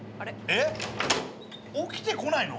えっ起きてこないの！？